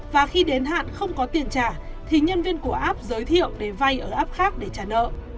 và khi đến hạn không có tiền trả thì nhân viên của app giới thiệu để vay ở app khác để trả nợ